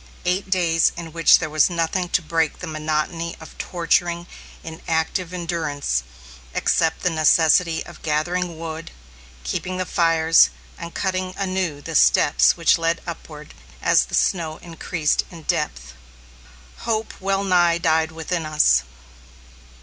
Eight days, in which there was nothing to break the monotony of torturing, inactive endurance, except the necessity of gathering wood, keeping the fires, and cutting anew the steps which led upward, as the snow increased in depth. Hope well nigh died within us.